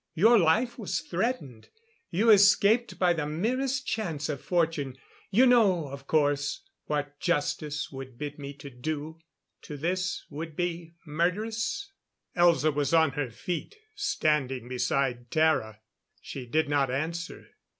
Your life was threatened you escaped by the merest chance of fortune. You know, of course, what justice would bid me do to this would be murderess?" Elza was on her feet, standing beside Tara. She did not answer.